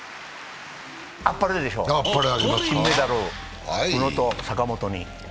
あっぱれでしょう、金メダル宇野と坂本に。